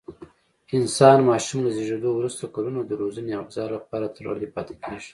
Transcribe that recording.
انسان ماشوم له زېږېدو وروسته کلونه د روزنې او غذا لپاره تړلی پاتې کېږي.